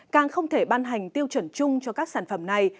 càng không thể ban hành tiêu chuẩn chung cho các sản phẩm này